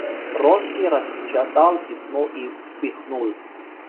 Вронский распечатал письмо и вспыхнул.